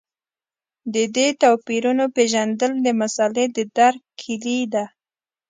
د دې توپیرونو پېژندل د مسألې د درک کیلي ده.